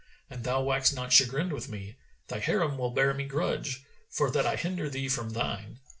An thou wax not chagrined with me, thy Harim will bear me grudge, for that I hinder thee from thine.